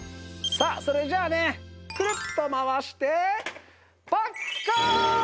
さあそれじゃあねくるっと回してパッカーン！